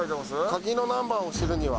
「カギのナンバーを知るには」